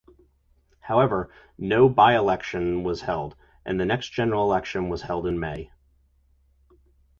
However, no by-election was held, as the next general election was held in May.